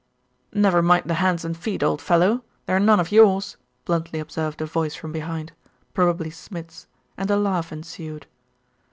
'Never mind the hands and feet, old fellow, they are none of yours!' bluntly observed a voice from behind' probably Smid's, and a laugh ensued.